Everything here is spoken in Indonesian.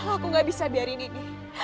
aku gak bisa biarin ini